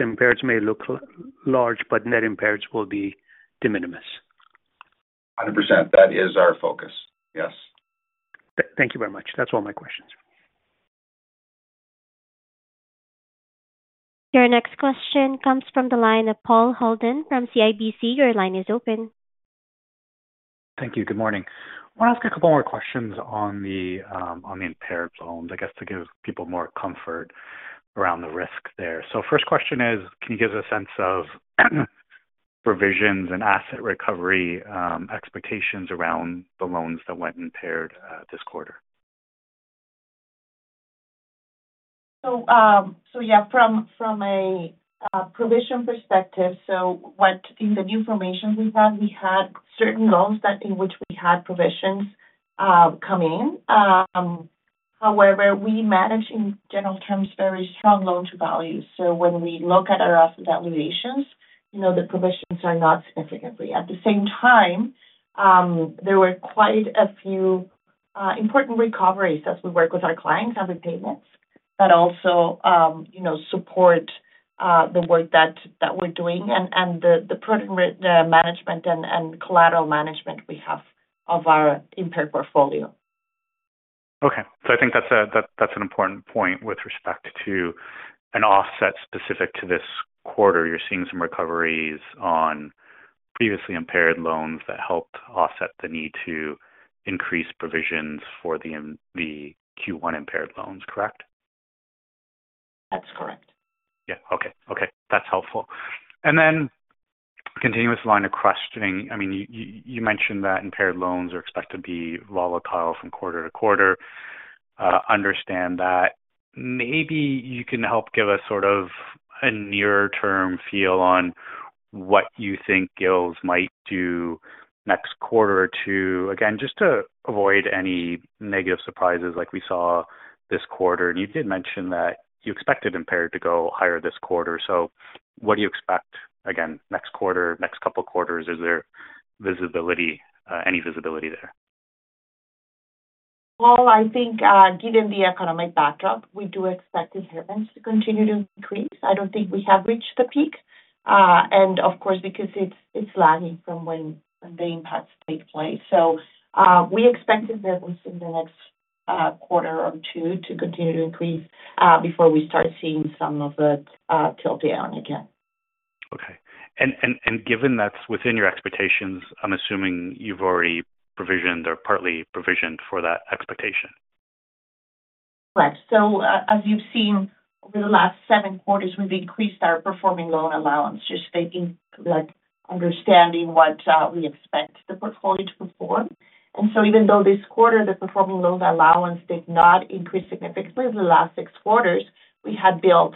impaireds may look large, but net impaireds will be de minimis. 100%. That is our focus. Yes. Thank you very much. That's all my questions. Your next question comes from the line of Paul Holden from CIBC. Your line is open. Thank you. Good morning. I want to ask a couple more questions on the impaired loans, I guess, to give people more comfort around the risk there. So first question is, can you give us a sense of provisions and asset recovery expectations around the loans that went impaired this quarter? So yeah, from a provision perspective, so in the new formation we had, we had certain loans in which we had provisions come in. However, we manage, in general terms, very strong loan-to-value. So when we look at our asset valuations, the provisions are not significantly. At the same time, there were quite a few important recoveries as we work with our clients, every payment that also support the work that we're doing and the management and collateral management we have of our impaired portfolio. Okay. So I think that's an important point with respect to an offset specific to this quarter. You're seeing some recoveries on previously impaired loans that helped offset the need to increase provisions for the Q1 impaired loans, correct? That's correct. Yeah. Okay. Okay. That's helpful. And then continuous line of questioning. I mean, you mentioned that impaired loans are expected to be volatile from quarter to quarter. Understand that. Maybe you can help give us sort of a near-term feel on what you think GILs might do next quarter or two. Again, just to avoid any negative surprises like we saw this quarter. And you did mention that you expected impaired to go higher this quarter. So what do you expect, again, next quarter, next couple of quarters? Is there any visibility there? Well, I think given the economic backdrop, we do expect impairments to continue to increase. I don't think we have reached the peak. Of course, because it's lagging from when the impacts take place. We expect impaired loans in the next quarter or two to continue to increase before we start seeing some of it tilt down again. Okay. Given that's within your expectations, I'm assuming you've already provisioned or partly provisioned for that expectation. Correct. So as you've seen over the last seven quarters, we've increased our performing loan allowance, just understanding what we expect the portfolio to perform. And so even though this quarter the performing loan allowance did not increase significantly, the last six quarters we had built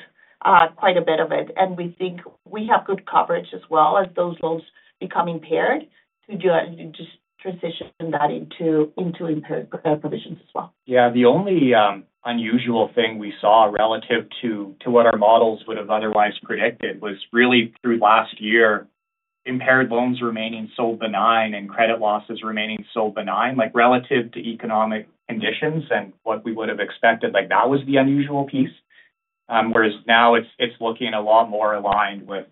quite a bit of it. And we think we have good coverage as well as those loans becoming impaired to just transition that into impaired provisions as well. Yeah. The only unusual thing we saw relative to what our models would have otherwise predicted was really through last year, impaired loans remaining so benign and credit losses remaining so benign relative to economic conditions and what we would have expected. That was the unusual piece. Whereas now, it's looking a lot more aligned with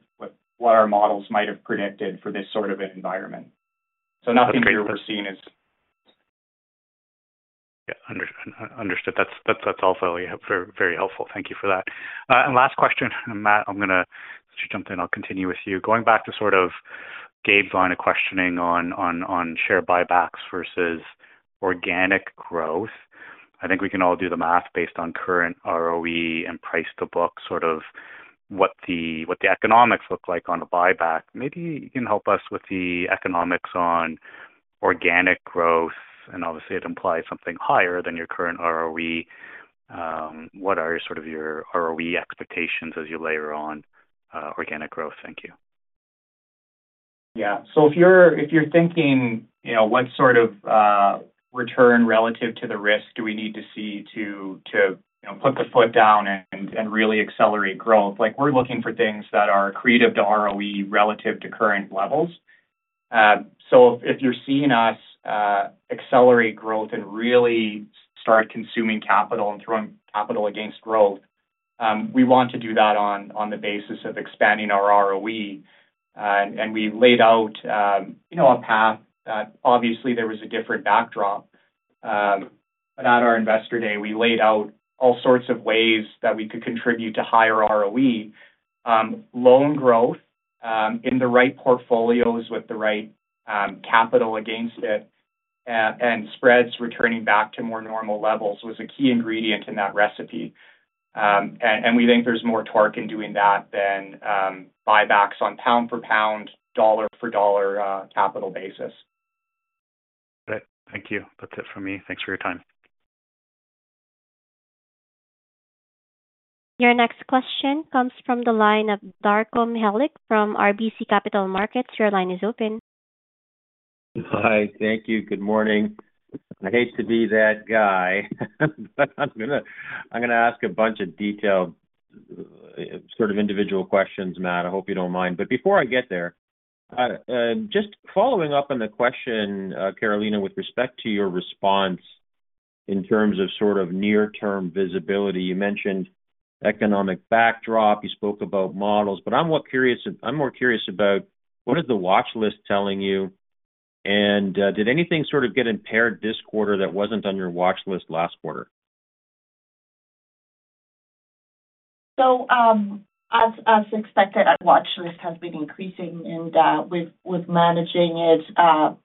what our models might have predicted for this sort of an environment. So nothing here we're seeing is. Yeah. Understood. That's also very helpful. Thank you for that. And last question, Matt, I'm going to let you jump in. I'll continue with you. Going back to sort of Gabe's line of questioning on share buybacks versus organic growth, I think we can all do the math based on current ROE and price-to-book, sort of what the economics look like on a buyback. Maybe you can help us with the economics on organic growth. And obviously, it implies something higher than your current ROE. What are sort of your ROE expectations as you layer on organic growth? Thank you. Yeah. So if you're thinking what sort of return relative to the risk do we need to see to put the foot down and really accelerate growth, we're looking for things that are accretive to ROE relative to current levels. So if you're seeing us accelerate growth and really start consuming capital and throwing capital against growth, we want to do that on the basis of expanding our ROE. And we laid out a path that obviously, there was a different backdrop. But at our investor Day, we laid out all sorts of ways that we could contribute to higher ROE. Loan growth in the right portfolios with the right capital against it and spreads returning back to more normal levels was a key ingredient in that recipe. And we think there's more torque in doing that than buybacks on pound-for-pound, dollar-for-dollar capital basis. Got it. Thank you. That's it from me. Thanks for your time. Your next question comes from the line of Darko Mihelic from RBC Capital Markets. Your line is open. Hi. Thank you. Good morning. I hate to be that guy, but I'm going to ask a bunch of detailed sort of individual questions, Matt. I hope you don't mind. But before I get there, just following up on the question, Carolina, with respect to your response in terms of sort of near-term visibility, you mentioned economic backdrop. You spoke about models. But I'm more curious about what is the watchlist telling you? And did anything sort of get impaired this quarter that wasn't on your watchlist last quarter? As expected, our watchlist has been increasing. We've managed it,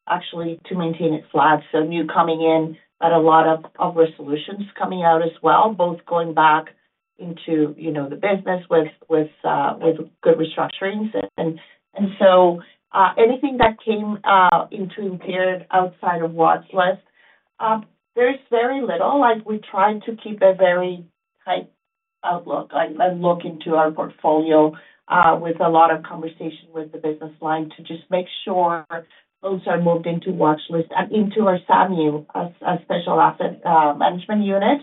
actually, to maintain it flat. New coming in, but a lot of resolutions coming out as well, both going back into the business with good restructurings. Anything that came into impaired outside of watchlist, there's very little. We tried to keep a very tight outlook. I look into our portfolio with a lot of conversation with the business line to just make sure loans are moved into watchlist and into our SAMU, our Special Asset Management Unit,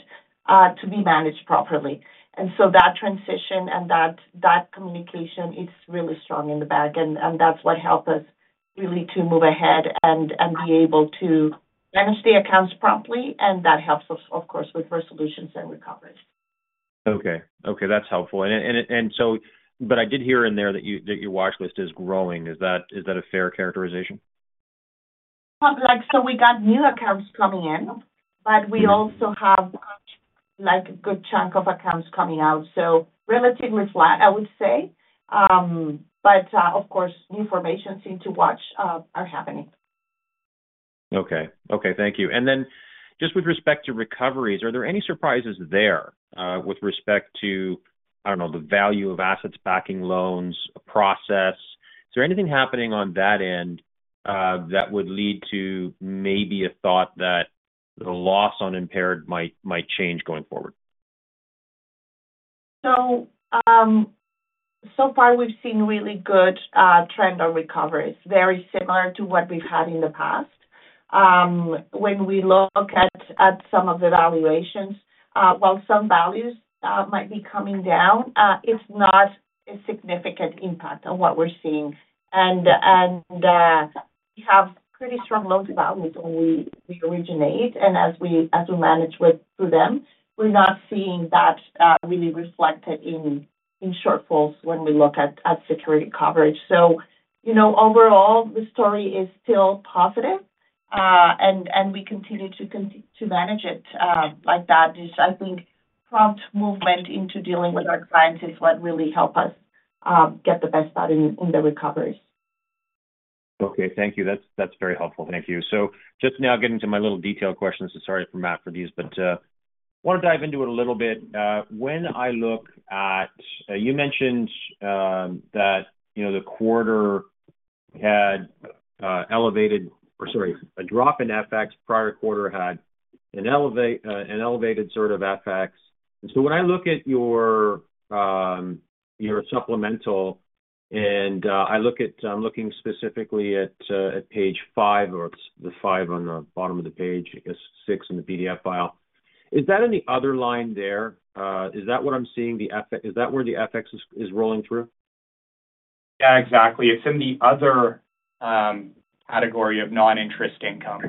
to be managed properly. That transition and that communication, it's really strong in the back. That's what helped us really to move ahead and be able to manage the accounts promptly. That helps, of course, with resolutions and recovery. Okay. Okay. That's helpful. But I did hear in there that your watchlist is growing. Is that a fair characterization? So we got new accounts coming in, but we also have a good chunk of accounts coming out. So relatively flat, I would say. But of course, new formations into watch are happening. Okay. Okay. Thank you. And then just with respect to recoveries, are there any surprises there with respect to, I don't know, the value of assets backing loans, a process? Is there anything happening on that end that would lead to maybe a thought that the loss on impaired might change going forward? So far, we've seen really good trend on recoveries, very similar to what we've had in the past. When we look at some of the valuations, while some values might be coming down, it's not a significant impact on what we're seeing. We have pretty strong loan-to-value when we originate. As we manage through them, we're not seeing that really reflected in shortfalls when we look at security coverage. Overall, the story is still positive. We continue to manage it like that. I think prompt movement into dealing with our clients is what really helped us get the best out in the recoveries. Okay. Thank you. That's very helpful. Thank you. So just now getting to my little detail questions. Sorry for Matt for these, but I want to dive into it a little bit. When I look at you mentioned that the quarter had elevated or sorry, a drop in FX. Prior quarter had an elevated sort of FX. And so when I look at your supplemental and I'm looking specifically at page 5 or it's the 5 on the bottom of the page, I guess 6 in the PDF file. Is that in the other line there? Is that where the FX is rolling through? Yeah, exactly. It's in the other category of non-interest income.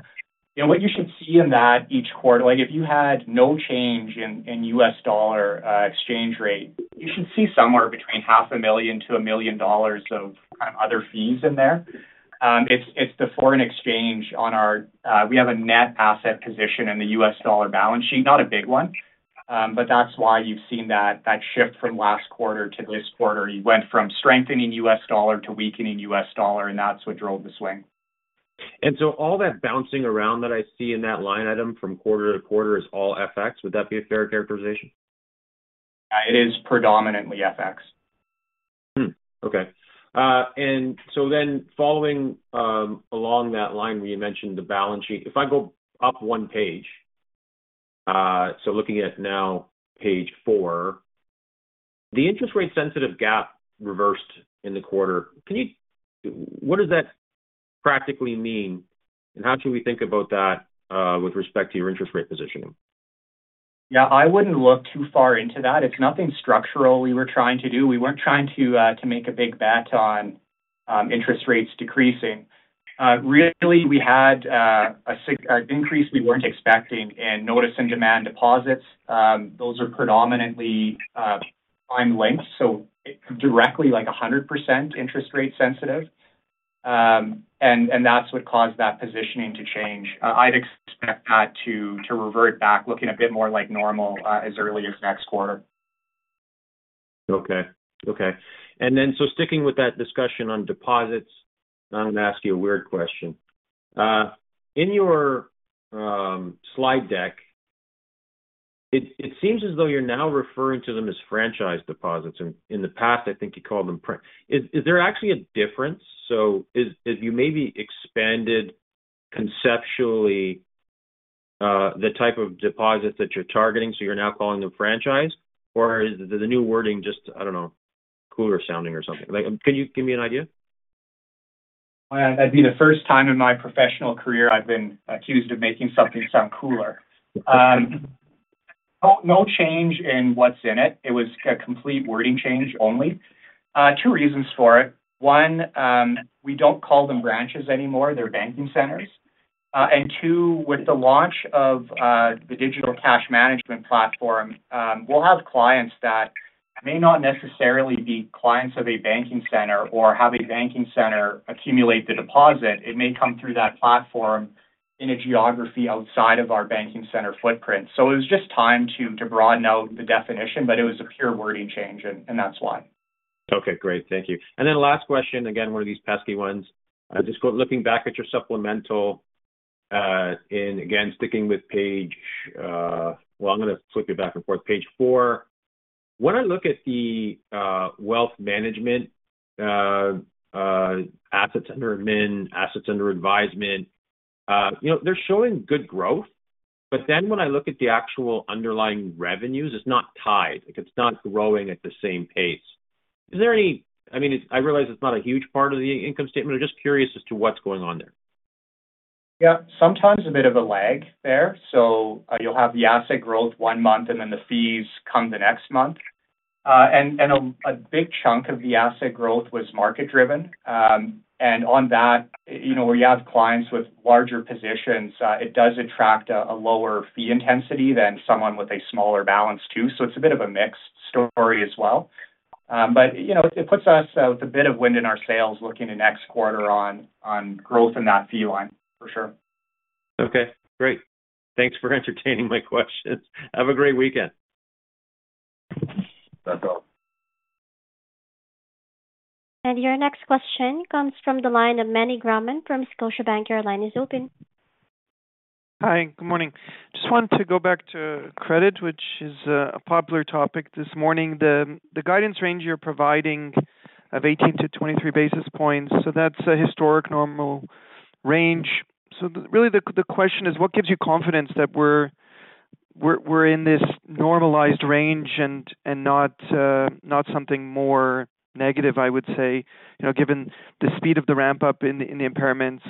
What you should see in that each quarter, if you had no change in US dollar exchange rate, you should see somewhere between 0.5 million-1 million dollars of kind of other fees in there. It's the foreign exchange on our we have a net asset position in the US dollar balance sheet, not a big one. But that's why you've seen that shift from last quarter to this quarter. You went from strengthening US dollar to weakening US dollar, and that's what drove the swing. And so all that bouncing around that I see in that line item from quarter to quarter is all FX. Would that be a fair characterization? Yeah, it is predominantly FX. Okay. And so then following along that line where you mentioned the balance sheet, if I go up one page, so looking at now page 4, the interest-rate-sensitive gap reversed in the quarter, what does that practically mean? And how should we think about that with respect to your interest-rate positioning? Yeah, I wouldn't look too far into that. It's nothing structural we were trying to do. We weren't trying to make a big bet on interest rates decreasing. Really, we had an increase we weren't expecting in notice and demand deposits. Those are predominantly time-linked, so directly 100% interest-rate sensitive. And that's what caused that positioning to change. I'd expect that to revert back, looking a bit more like normal as early as next quarter. Okay. Okay. Sticking with that discussion on deposits, I'm going to ask you a weird question. In your slide deck, it seems as though you're now referring to them as franchise deposits. In the past, I think you called them—is there actually a difference? So have you maybe expanded conceptually the type of deposits that you're targeting so you're now calling them franchise? Or is the new wording just, I don't know, cooler sounding or something? Can you give me an idea? It'd be the first time in my professional career I've been accused of making something sound cooler. No change in what's in it. It was a complete wording change only. Two reasons for it. One, we don't call them branches anymore. They're banking centers. And two, with the launch of the digital cash management platform, we'll have clients that may not necessarily be clients of a banking centers or have a banking centers accumulate the deposit. It may come through that platform in a geography outside of our banking centers footprint. So it was just time to broaden out the definition, but it was a pure wording change, and that's why. Okay. Great. Thank you. And then last question, again, one of these pesky ones. Just looking back at your supplemental and again, sticking with page, well, I'm going to flip you back and forth. Page 4, when I look at the wealth management assets under admin, assets under advisement, they're showing good growth. But then when I look at the actual underlying revenues, it's not tied. It's not growing at the same pace. Is there any, I mean, I realize it's not a huge part of the income statement. I'm just curious as to what's going on there. Yeah. Sometimes a bit of a lag there. So you'll have the asset growth one month, and then the fees come the next month. And a big chunk of the asset growth was market-driven. And on that, where you have clients with larger positions, it does attract a lower fee intensity than someone with a smaller balance too. So it's a bit of a mixed story as well. But it puts us with a bit of wind in our sails looking to next quarter on growth in that fee line, for sure. Okay. Great. Thanks for entertaining my questions. Have a great weekend. That's all. Your next question comes from the line of Meny Grauman from Scotiabank. Your line is open. Hi. Good morning. Just wanted to go back to credit, which is a popular topic this morning. The guidance range you're providing of 18-23 basis points. So that's a historic normal range. So really, the question is, what gives you confidence that we're in this normalized range and not something more negative, I would say, given the speed of the ramp-up in the impairments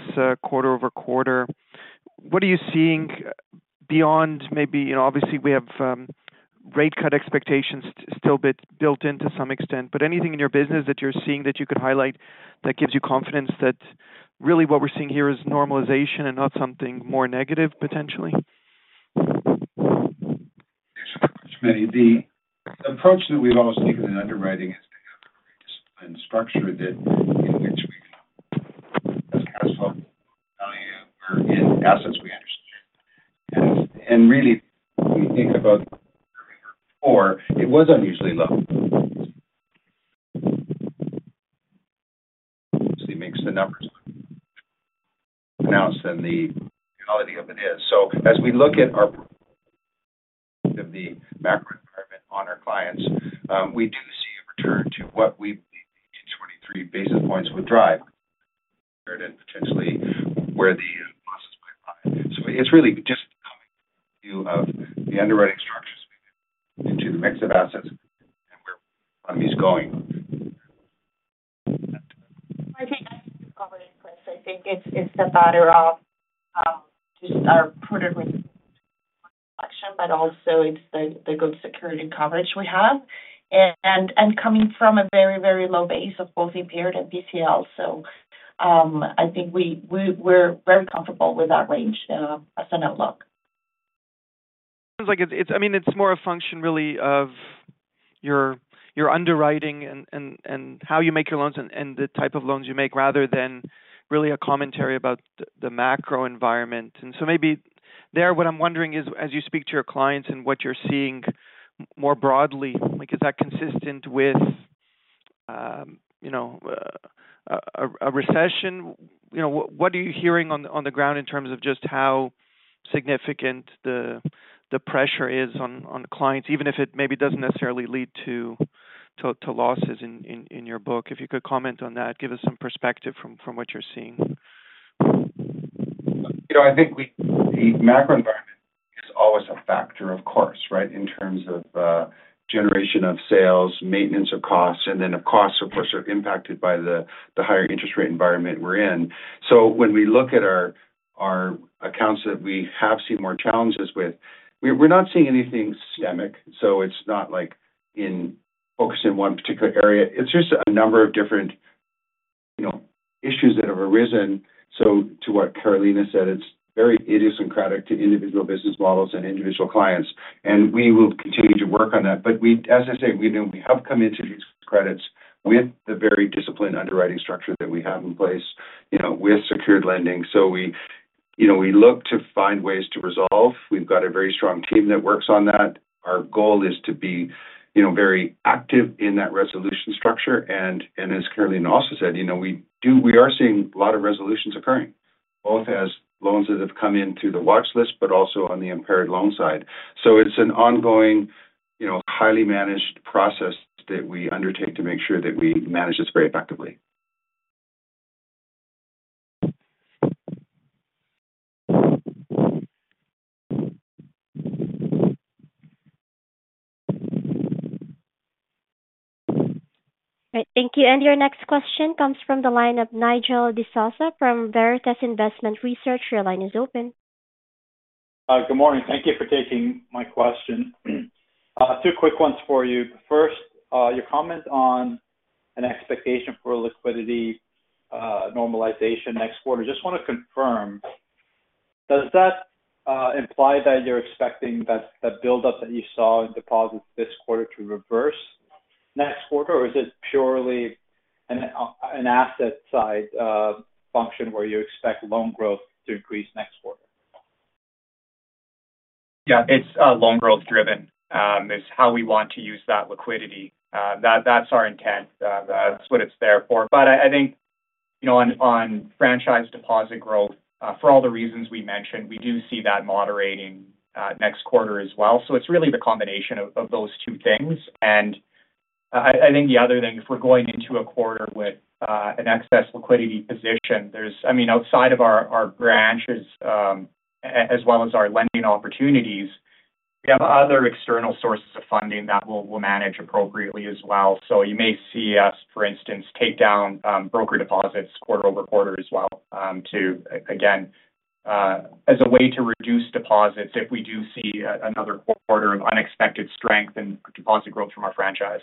quarter-over-quarter? What are you seeing beyond maybe obviously, we have rate-cut expectations still built into some extent. But anything in your business that you're seeing that you could highlight that gives you confidence that really what we're seeing here is normalization and not something more negative, potentially? Thanks so much, Meny. The approach that we've always taken in underwriting is to have a very disciplined structure in which we can assess cash flow, value, or assets we understand. And really, if we think about what we were before, it was unusually low. It makes the numbers look more pronounced than the reality of it is. So as we look at our macro environment on our clients, we do see a return to what we believe the 18-23 basis points would drive compared and potentially where the losses might lie. So it's really just coming from the view of the underwriting structures into the mix of assets and where the economy's going. I think you've covered it, Chris. I think it's the matter of just our prudent risk selection, but also it's the good security coverage we have. Coming from a very, very low base of both impaired and PCL. I think we're very comfortable with that range as an outlook. It sounds like it's I mean, it's more a function, really, of your underwriting and how you make your loans and the type of loans you make rather than really a commentary about the macro environment. And so maybe there, what I'm wondering is, as you speak to your clients and what you're seeing more broadly, is that consistent with a recession? What are you hearing on the ground in terms of just how significant the pressure is on clients, even if it maybe doesn't necessarily lead to losses in your book? If you could comment on that, give us some perspective from what you're seeing. I think the macro environment is always a factor, of course, right, in terms of generation of sales, maintenance of costs. And then, of course, of course, they're impacted by the higher interest-rate environment we're in. So when we look at our accounts that we have seen more challenges with, we're not seeing anything systemic. So it's not like focused in one particular area. It's just a number of different issues that have arisen. So to what Carolina said, it's very idiosyncratic to individual business models and individual clients. And we will continue to work on that. But as I say, we have come into these credits with the very disciplined underwriting structure that we have in place with secured lending. So we look to find ways to resolve. We've got a very strong team that works on that. Our goal is to be very active in that resolution structure. As Carolina also said, we are seeing a lot of resolutions occurring, both as loans that have come in through the watch list, but also on the impaired loan side. It's an ongoing, highly managed process that we undertake to make sure that we manage this very effectively. All right. Thank you. And your next question comes from the line of Nigel D'Souza from Veritas Investment Research. Your line is open. Good morning. Thank you for taking my question. Two quick ones for you. First, your comment on an expectation for liquidity normalization next quarter. Just want to confirm. Does that imply that you're expecting that buildup that you saw in deposits this quarter to reverse next quarter, or is it purely an asset-side function where you expect loan growth to increase next quarter? Yeah, it's loan growth-driven. It's how we want to use that liquidity. That's our intent. That's what it's there for. But I think on franchise deposit growth, for all the reasons we mentioned, we do see that moderating next quarter as well. So it's really the combination of those two things. And I think the other thing, if we're going into a quarter with an excess liquidity position, I mean, outside of our branches as well as our lending opportunities, we have other external sources of funding that we'll manage appropriately as well. So you may see us, for instance, take down broker deposits quarter-over-quarter as well, again, as a way to reduce deposits if we do see another quarter of unexpected strength in deposit growth from our franchise.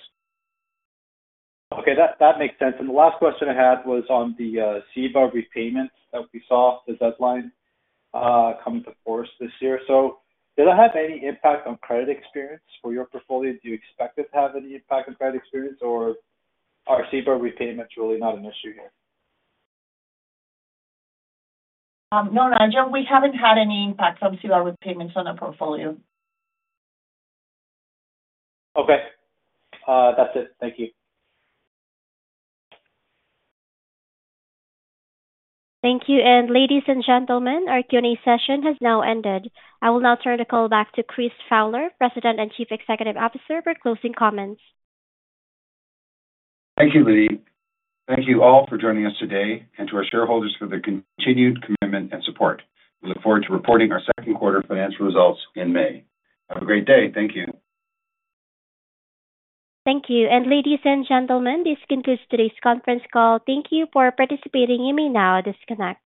Okay. That makes sense. The last question I had was on the CEBA repayments that we saw, the deadline coming to force this year. Did that have any impact on credit experience for your portfolio? Do you expect it to have any impact on credit experience, or are CEBA repayments really not an issue here? No, Nigel. We haven't had any impact from CEBA repayments on our portfolio. Okay. That's it. Thank you. Thank you. Ladies and gentlemen, our Q&A session has now ended. I will now turn the call back to Chris Fowler, President and Chief Executive Officer, for closing comments. Thank you, Lydie. Thank you all for joining us today and to our shareholders for their continued commitment and support. We look forward to reporting our second quarter financial results in May. Have a great day. Thank you. Thank you. Ladies and gentlemen, this concludes today's conference call. Thank you for participating. You may now disconnect.